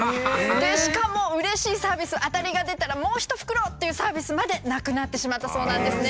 でしかもうれしいサービス当たりが出たらもう一袋っていうサービスまでなくなってしまったそうなんですね。